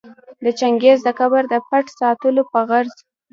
د چنګیز د قبر د پټ ساتلو په غرض